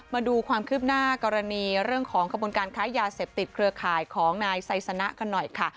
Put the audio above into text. มาดูความคืบหน้ากรณีเรื่องของขบวนการค้ายาเสพติดเครือข่ายของนายไซสนะกันหน่อยค่ะ